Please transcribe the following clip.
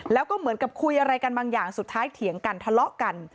แล้วก็เหมือนกับคุยอะไรกันบางอย่างสุดท้ายเถียงกันทะเลาะกัน